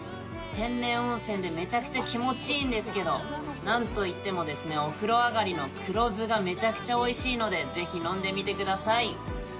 天然温泉でめちゃくちゃ気持ちいいんですけどなんといってもですねお風呂上がりの黒酢がめちゃくちゃおいしいのでぜひ飲んでみてください